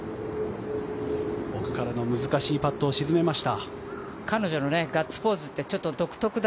奥からの難しいパットを沈めました。